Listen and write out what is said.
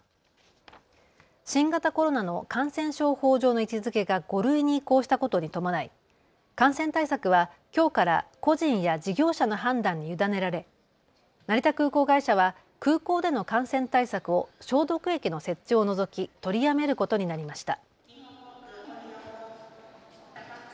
新型コロナの感染症法上の位置づけが５類に移行したことに伴い、感染対策はきょうから個人や事業者の判断に委ねられ成田空港会社は空港での感染対策を消毒液の設置を除き取りやめることになりました。